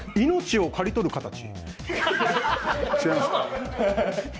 命をかり取る形。